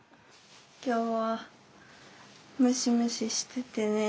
今日はムシムシしててね暑いんだ。